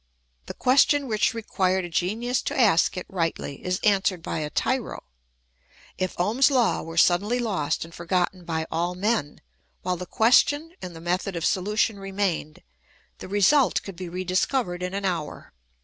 The question which required a genius to ask it rightly is answered by a tyro. If Ohm's law were suddenly lost and forgotten by all men, while the question and the method of solution remained, the result could be rediscovered in an hour.